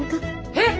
えっ！